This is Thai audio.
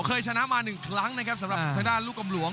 เคยชนะมาหนึ่งครั้งนะครับสำหรับธนาภิกษ์ลูกกลมหลวง